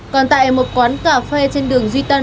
còn tại một quán cà phê trên đường duy tân